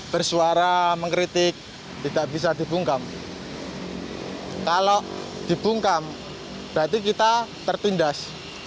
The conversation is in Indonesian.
bersuara mengkritik tidak bisa di bungkam hai kalau di bungkam berarti kita tertindas